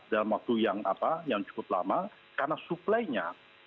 dalam waktu yang cukup lama karena suplainya